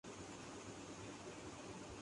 Japan